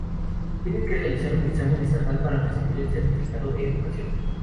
Tienen que realizar un examen estatal para recibir el Certificado de Educación.